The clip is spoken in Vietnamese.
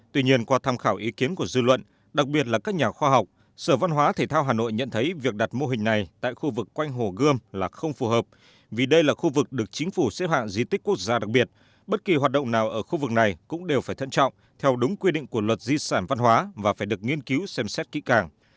tuy nhiên qua tham khảo ý kiến của dư luận đặc biệt là các nhà khoa học sở văn hóa thể thao hà nội nhận thấy việc đặt mô hình này tại khu vực quanh hồ gươm là không phù hợp vì đây là khu vực được chính phủ xếp hạng di tích quốc gia đặc biệt bất kỳ hoạt động nào ở khu vực này cũng đều phải thận trọng theo đúng quy định của luật di sản văn hóa và phải được nghiên cứu xem xét kỹ càng